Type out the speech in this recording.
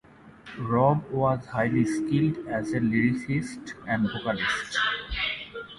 Rob was highly skilled, as a lyricist and vocalist.